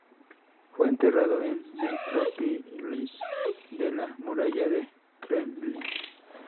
Fue enterrado en Necrópolis de la Muralla del Kremlin.